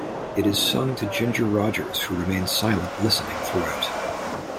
It is sung to Ginger Rogers, who remains silent listening throughout.